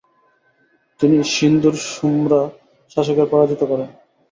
তিনি সিন্ধুর সুম্রা শাসকের পরাজিত করেণ।